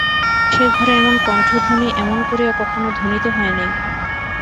সে ঘরে এমন কণ্ঠধ্বনি এমন করিয়া কখনো ধ্বনিত হয় নাই।